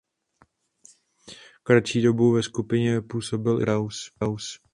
Kratší dobu ve skupině působil i Karl Kraus.